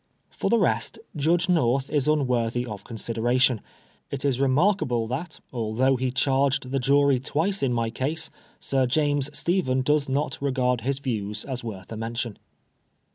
For the rest, Judge North is unworthy of consideration. It is remarkable that, although he charged the jury twice in my case, Sir James Stephen does not regard his views as worth a mention.